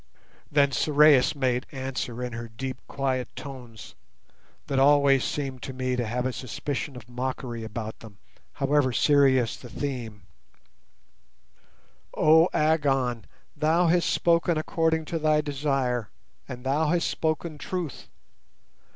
Then Sorais made answer in her deep quiet tones, that always seemed to me to have a suspicion of mockery about them, however serious the theme: "Oh, Agon, thou hast spoken according to thy desire, and thou hast spoken truth.